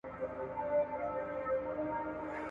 • بې گودره مه گډېږه!